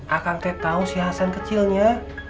akang teh tau si hasan kecilnya